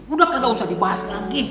udah gak usah dibahas lagi